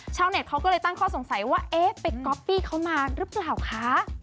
ชาวเน็ตเขาก็เลยตั้งข้อสงสัยว่าเอ๊ะไปก๊อปปี้เขามาหรือเปล่าคะ